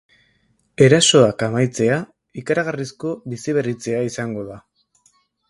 Erasoak amaitzea ikaragarrizko biziberritzea izango da.